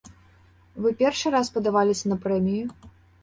Вы першы раз падаваліся на прэмію?